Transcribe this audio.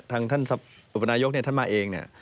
ทางอุปนายก็มาเอง